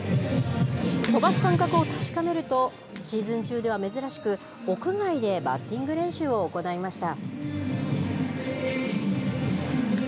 飛ばす感覚を確かめると、シーズン中では珍しく、屋外でバッティング練習を行いました。